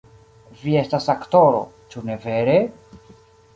Vi estas aktoro, ĉu ne vere?